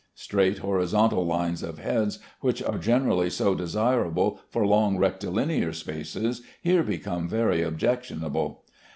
Straight horizontal lines of heads which are generally so desirable for long rectilinear spaces here become very objectionable.